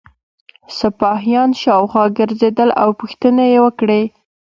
سپاهیان شاوخوا ګرځېدل او پوښتنې یې وکړې.